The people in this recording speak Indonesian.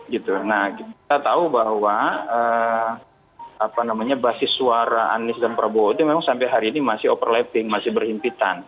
kita tahu bahwa basis suara anies dan prabowo itu memang sampai hari ini masih overlapping masih berhimpitan